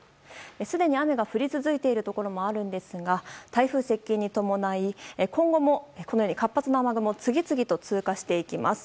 すでに雨が降り続いているところもあるんですが台風接近に伴い今後も活発な雨雲が次々と通過していきます。